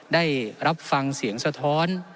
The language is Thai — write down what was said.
ได้รับฟังเสียงสะท้อน